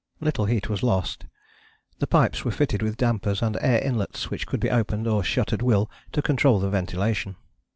Little heat was lost. The pipes were fitted with dampers, and air inlets which could be opened or shut at will to control the ventilation.